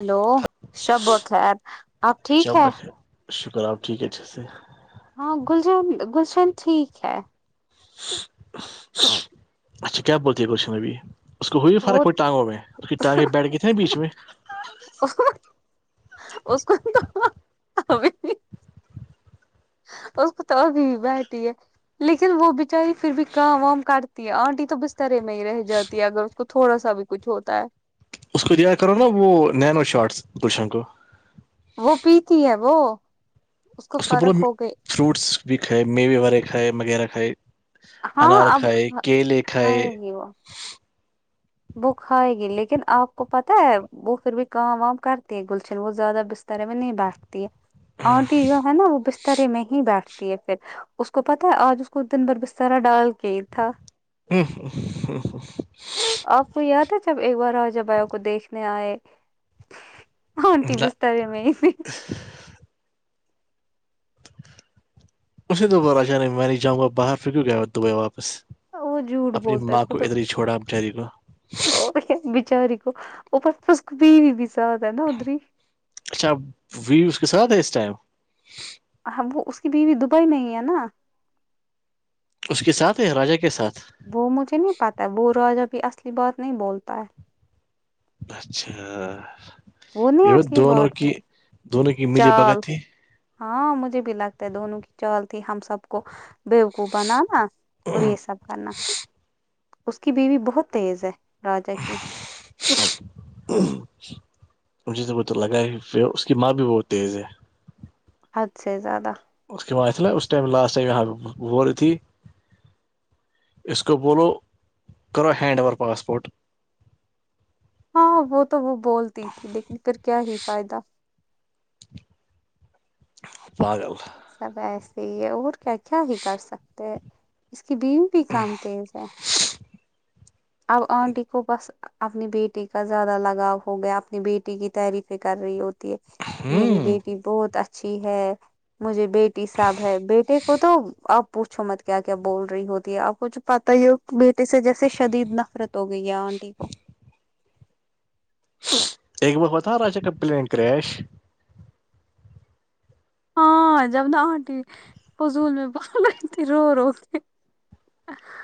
Hello شب و خیر چب بچ شکر آپ ٹھیک ہے چ سر ہاں گلشند گلشن ٹھیک ہے اچھا کیا بولتی ہیں کوشن نبی اس کو ہوئی وہ فرق وہئی ٹانگوں میں اس کی ٹانگیں بیٹھ گئے تھے ن بیچ میں اس کو تو اور کت ہوگئی بیٹٹھی ہے لیکن وہ بچاری پھر بھی کام وام کاٹتی ہے آنٹی تو بسترے میں ہی رہ جاتی ہے اگر تو تھوڑا سا بھی کچھ ہوتا ہے اس کو دیا کرو نا وہ نینو شارٹس پشن کو وہ پیتی ہے وہ کو اس کا بولو فرق ہو گئی فروٹس بھی کھائے میوے والے کھائے وغیرہ کھائے ہاں انار اب کھائے کیلے کھائے گی وہ وہ کھائے گی لیکن آپ کو پتہ ہے وہ پھر بھی کام وام کرتے ہیں گلشن وہ زیادہ بست برے میں نہیں بیٹھتی ہے اور بھی جو ہے نا وہ بسترے میں ہی بیٹھتی پھر اس کو پتا ہے آج اس کو دن بھر بسترا ڈال کے تھا ا ہ آپ کو یاد ہے جب ایک بار آ جب کو دیکھنے آئے آٹی ترے میں اسے تو باراشا نہیں میں نہیں جاں گا باہر پھر کیوں کیا گ دبئی واپس وہ جھوٹ اپنی بولتا ہے ماں اس کو تو ادھر ہی چھوڑا بچاری کو بچاری کو پر کب بھی سد ہے نا ادری اچا ویوس کے سات تھا ہے اس ائم ہاں وہ اس کی بیوی دبئی میں ہی ہے نا اس کے ساتھ ہیں یا راجا کے ساتھ وہ مجھے نہیں پتا وہ راجا بھی اصلی بات نہیں بولتا ہے اچھا وہ نہیں یہ اصلی دونوں بات کی ہوتی دونوں کی ملی بگا چال تھی ہاں مجھے بھی لگتا ہے دونوں کی چل تھی ہم سب کو بوقو بناانا اور یہ سب کرنا اس کی بیوی بہت تیز ہے راجا کی ہ [inaudible] ان چیز کو تو لگائی پھر اس کی ماں بھی بہت تیز ہے اچھ سے زیادہ [unintelligible] اس کے ب اس ٹائم لاسٹ ٹائم یہاں پہ ب رہی تھی اسس کو بولو کرو ہینڈ اور پاسپورٹ ہاں وہ تو وہ بولتی تھی لیکن پھر کیا ہی فائدہ پاگل سب ایسے ہی ہے اور کیا کیا ہی کر سکتے اس کی بیو بھی کم تیز ہے اب آنٹی کو بس اپنی بیٹی کا زیادہ لگاؤ ہو گیا اپنی بیٹی کی تعریفیں کر رہی ہوتی میری ہوں بیٹی بہت اچھی ہے مجھے بیٹی صاب ہے بیٹے کو تو آپ پوچھو مت کیا کیا بول رہی ہوتی ہے آپ کوھ پتا ہی ہو بیٹے سے جیسے شدید نفرت ہو گئی ہے آنٹی کو ایک بار ہوتا راجا کا پلین کریش ہاں جب نا آنٹی فضول میں بال رہئی تھی رو رو ا [inaudible]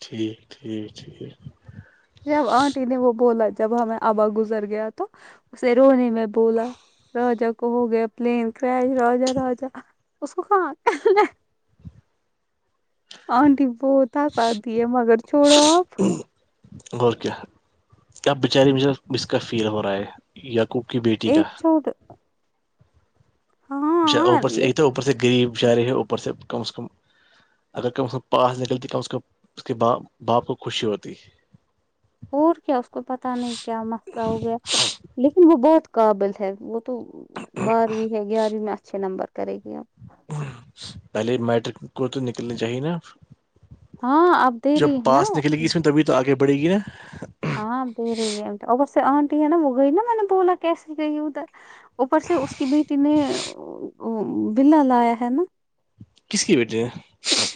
ٹھیک ٹھیک ٹھیک جب آنٹی نے وہ بولا جب ہمیں آبا گزر گیا تو اسے رونے میں بولا راجا کو ہو گیا پلین کرش راجا راجا اس کو خا آنٹی بہت [inaudible] ت س آات دے مگر چھوڑ آپ [inaudible] غ کیا کیا بچاری مجھے اس کا فیل ہو رہا ہے یقوب کی بیٹی کا ایک چھوڑ ہاں اوپر ایک تھا لیکن اوپر سے غریب شاعر ہے اوپر سے کم از کم اگر کہب اس کے پاس نکلتی اس اس کے باپ کو خوشی ہوتی اور کیا اس کو پتاہ نہیں کیا مسئلہ ہو گیا لیکن وہ بہت قابل ہے وہ تو بارہویں ہے گیارہویں میں اچھے نمبر کرے گی آب پہلے میٹرک کو تو نکلنی چاہیے نا ہاں آپ دے جب رہی ہے پاس نکلے گی نا اس میں تبھی تو آگے بڑھے گی نا ہاں دے رہی ہے ا آنٹی ہے نا وہ گئی نا میں نے بولا کیسے گئی ادھر اوپر سے اس کی بیٹی نے بلا لایا ہے نا کس کی بیٹی ہے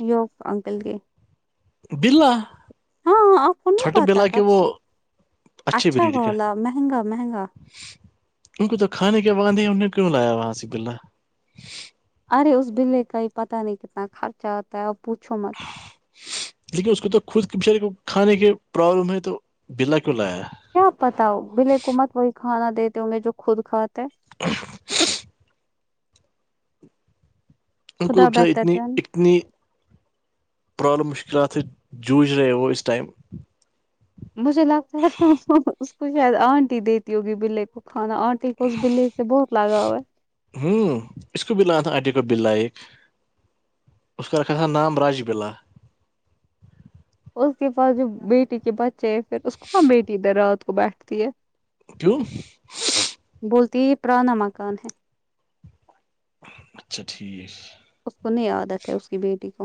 ی انکل کے بلا ہاں ہاں آپ کو نہیں چھٹے بلا کے پاتاب وہ سے اچھے اچھا بریڈ کا والالا مہنگا مہنگا ان کو تو کھانے کے بد ہی ان نے کیوں لایا وہاں سے بلہ ارے اس بلے کا ہی پتاہ نہیں کتنا خرچہ آتا ہے اب پوچھو مت لیکن اس کو تو خود کے بچارے کو کھانے کے پرابلم ہے تو بلا کیوں لایا کیا پتا ہو بالحکومت وہی کھانا دیتے ہوں گے جو خود کھاتے ہیں [inaudible] ان کو خدا ازا بہتر اتنی جان اتنی پرابلم مشکلات سے جوجھ رہے وہ اس ٹائم مجے لگتا ہے [inaudible] [unintelligible] ہوں اس کو بلا تھا آٹی کا بلا ایک اس کاکھ تھا نام راج بللہ اس کے پاس جو بیٹی کے بچے ہے پھر اس کو بیٹی د رات کو بیٹھتی ہے کیو [unintelligible] بولتی پراانا مکان ہے اچھا ٹھیک اس کو نہیں عادت ہے اس کی بیٹی کو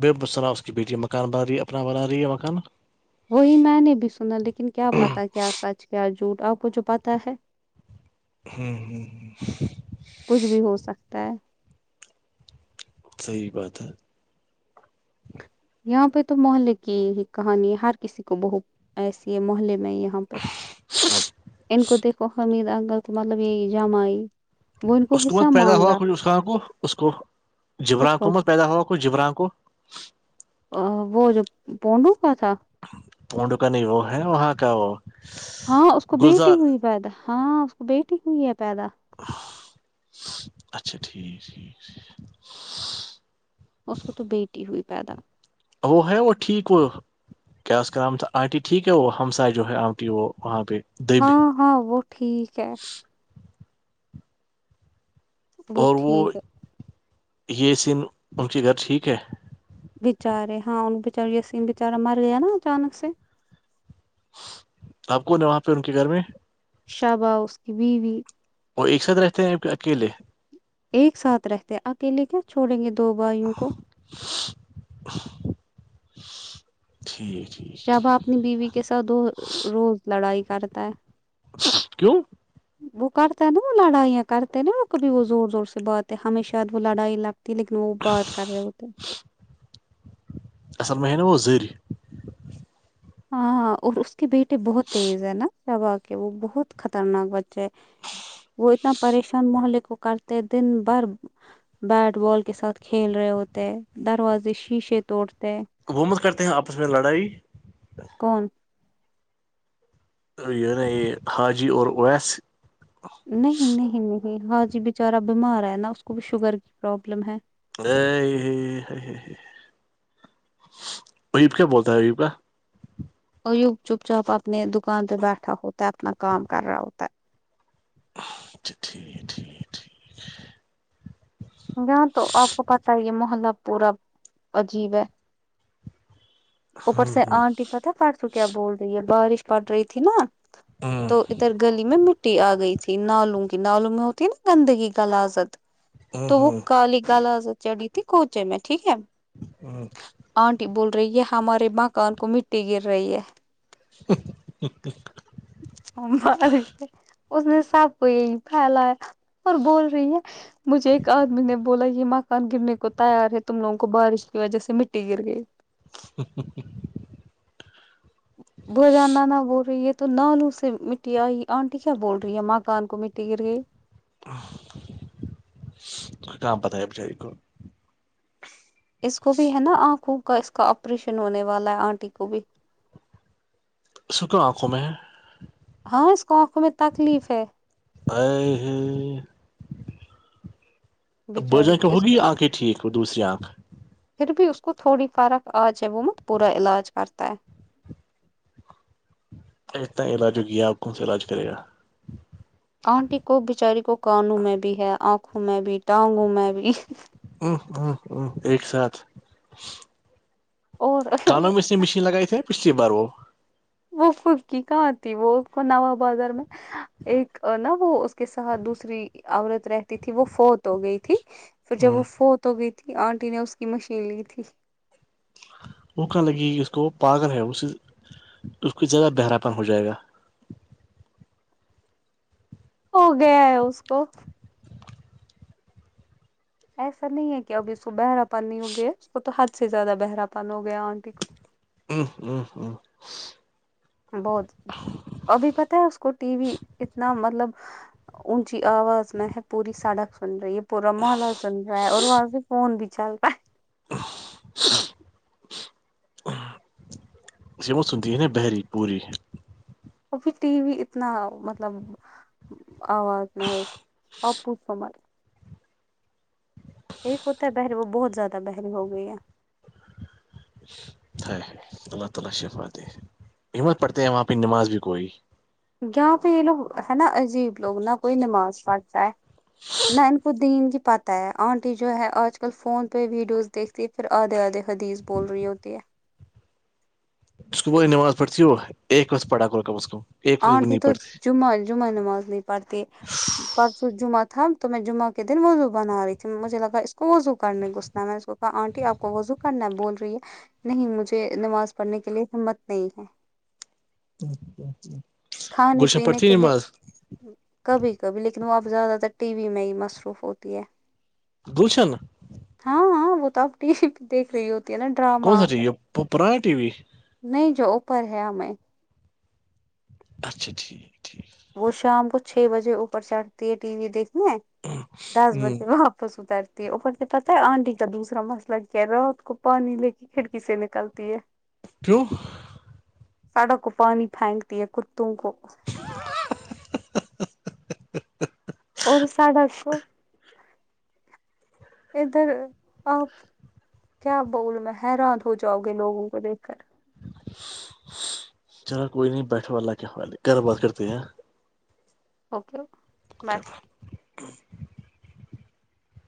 بے اب ال صلالہ اس کی بیٹی ہے مکان بنا رہی ہے اپنا بنا رہی ہے مکان وہی میں نے بھی سنا لیکن کیا پتا کیا سچ کیا جھوٹ آپ کو جو پت ہے [inaudible] ہاں ہ ہ [inaudible] کچھ بھی ہو سکتا ہے صحیح بات ہے [unintelligible] یہاں پہ تو محلے کی ہی کہانی ہر کسی کو بہت ایسے یہ محلے میں یہاں پہ ان کو دیکھو حمیدگل مطلب یہ جمع اسکومت پیدا ہوا کھ اسران کو اس کو جبراں کس کو حکومت پیدا ہوا کھ جبران کو [unintelligible] وہ جو پونڈو کا تھا پڈک نہیں وہ ہے وہاں کا وہ [unintelligible] ہاں اس کو بیٹی گلزار ہوئی پیدا ہاں اس کو بیٹی ہوئی ہے پیدا اچھا ٹھیک ٹھیک اس کو تو بیٹی ہوئی پیدا وہ ہے وہ ٹھیک وہ [unintelligible] کیا اس کا نام تھا آنٹی ٹھیک ہے وہ ہمساائے جو ہے آنٹی وہ وہاں پہ [unintelligible] ہاں ہاں وہ ٹھیک ہے اور وہ ٹھیک ہے یہ سن ان کے گھر ٹھیک ہے بچارے ہاں ان بچار م بچارا مر گیا نا اچانک سے تو آپ کون ہیں وہاں پہ ان کے گھر میں شابا اس کی بیوی اور ایک ساتھ رہتے ہیں اکیلے ایک ساتھ رہتے اکلے کیا چھوڑیں گے دو بھائیوں کو ٹھ [inaudible] شباب [unintelligible] [inaudible] اپنی بیوی کے ساتھ دو روز لڑائی کرتا ہے کیوں [unintelligible] ہ [inaudible] وہ کرتا ہے نا وہ لڑائیاں کرتے نا کبھی وہ زور زور سے بات ہے ہمیشہ وہ لڑائی لگ لیکن وہ بات کر رہے ہو تھ اصل مہ نا وہ زر [inaudible] ہاں ہاں اور اس کے بیٹے بہت تیز ہے نا شبا کے وہ بہت خطرناک بچے ہے وہ اتنا پریشان محلے کو کرتے دن بھر بیٹ بال کے ساتھ کھیل رہے, ہوتے دروازے شیشے توڑتے- حکومت کرتے ہیں آپس میں لڑائی- کون? یہ ہے نا یہ حاجی اور اویس- نہیں -نہیں -نہیں ہاں جی بچارا بیمار ہے نا اس کو بھی شوگر کی پرابلم ہے- ا رب کیا بولتا ہے رب کا اور یپ چپ چاپ اپنے دکان پہ بیٹھا ہوتا ہے اپنا کام کر رہا ہوتا ہے- [unintelligible] یہاں تو آپ کو پت ہی یہ محلہ پورا عجیب ہے- ہ اوپر سے ہ انٹی پت ہے پر تو کیا بول رہی ہے بارش پڑ رہی تھی نا- ہ تو ادھر گلی میں مٹی آ گئی تھی نالوں کی نالوں میں ہوتی ہے نا گندگی کا لازت- ہ تو ہ وہ کالی گال چڑی تھی کونچے میں ٹھیک ہے- ہاں آنٹی بول رہی یہ ہمارے مکان کو مٹی گر رہی ہے- [unintelligible] مر اس نے سب کو یہی پھیلایا- اور بول رہی ہے مجھے آدمی نے بولا یہ م ان گرنے کو تیار ہے تم لوگوں کو بارش کی وجہ سے مٹی گر گئی- [unintelligible] بوجانا نہ بول رہی ہے تو نالو سے مٹی آئی آنٹی کیا بول رہی ہے ماں کان کو مٹی گر گئی- کہاں پتا ہے بچاری کو- اس کو بھی ہے نا آنکھوں کا اس کا آپریشن ہونے والا ہے آنٹی کو بھی- سک آنکھوں میں ہاں اس کو آنکھوں میں تکلیف ہے [unintelligible] بچاری بجن کو اس ہوگی آنکھیں ٹھیک وہ دوسری آنکھ- پھر بھی اس کو تھوڑی فارق آجائے وہ مت پورا علاج کرتا ہے- اتنا علاج ہوگ گیا آپ کونا علاج کرے گا- آنٹی کو بچاری کو کانوں میں بھی ہے, آنکھوں میں بھی ٹانگوں میں بھی- ا ہ ہ ایک ساتھ- اور کانوں میں اس نے مشین لگائی تے پچھلی بار وہ- وہ فکی کہاں ت وہ نو بازار میں- ایک نا وہ اس کے ساتھ دوسری- عورت رہتی تھی وہ فوت ہو گئی تھی- پھر جب وہ فوت ہو گئی تھی آنٹی نے اس کی مشین لی تھی- وہکاں لگی کہ اس کو وہ پاگل ہے اس سے اس کا زیادہ بہرا پن ہو جائے گا- ہو گیا ہے, اس کو- ایسا نہیں ہے کہ اب اس کو بہرا پن نہیں ہو گیا اس کو تو حد سے زیادہ بہرا پن ہو گیا آنٹی کو- [unintelligible] بہت ابھی پتہ ہے اس کو ٹی وی اتنا مطلب- اونچی آواز میں ہے پوری سڑک سن رہی ہے پورا موحلہ سن رہا ہے اور وہاں سے- فون بھی چلتا- [inaudible] س م سنتی ن بہری پوری- وہ بھی ٹی وی اتنا مطلب- آوات میں آپو ف ایک ہوتا ہے بحری وہ بہت زیادہ بحری ہو گئی ہے ہے اللہ تعالی شفاتے ہمت پڑھتے ہیں وہاں پہ نماز بھی کوئی یہاں پہ یہ لوگ ہے نا عجیب لوگ نا کوئی نماز پڑھ جائے نہ ان کو دین کی پات ہے آنٹی جو ہے آج کل فون پہ ویڈیوز دیکھتی ہے پھر آدھے آدھے حدیث بول رہی ہوتی ہے اس کو بی نماز پڑتی ہو ایک وت پڑا کر اس کو آنٹی تو جمعہ جمعہ نماز نہیں پڑھتی پس سو جمعہ تھام تو میں جمعہ کے دن وضو بنا رہیھی مجھے لگا ا اس کو وضو کرنے گغسناا میں اس کو آنٹی آپ کو وضو کرنا بول رہی ہے نہیں مجھے نماز پڑھنے کے لیے ہمت نہیں ہے کھانے گلشن پڑ ت پینے کے لیے نااز کبھی کبھی لیکن وہ اب زیادہ تر ٹی وی میں ہی مصروف ہوتی ہے بولشن ہاں ہاں وہ تو آپ ٹی وی پہ دیکھ رہی ہوتی ہے نا ڈرامہ کون سا ٹی وی ہے؟ پرانا ٹی وی نہیں جو اوپر ہے ہمیں اچھا ٹھیک ٹھیک وہ شام کو چھ بجے اوپر چڑھتی ہے ٹی وی دیکھنے دس ہ بجے واپس اتارتے اوپر تو پتا ہے آنٹی کا دوسرا مسئلہ کیا ہے رات کو پانی لے کے کھڑکی سے نکلتی ہے ت [unintelligible] [inaudible] سڑک کو پانی پھینکتی ہے کتوں کو [inaudible] [unintelligible] اور ساھا سو ادھر آ کیا بول میں حیران ہو جاؤ گے لوگوں کو دیکھ کر چلو کوئی نہیں بیٹھا والا کیا وال گھر بات کرتے ہیں اوکےو با کر۔